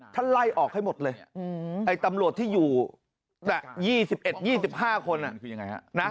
ไล่ออกให้หมดเลยไอ้ตำรวจที่อยู่๒๑๒๕คน